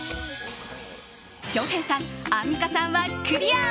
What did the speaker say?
翔平さん、アンミカさんはクリア。